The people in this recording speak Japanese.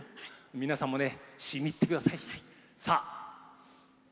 皆さんも、しみいってください。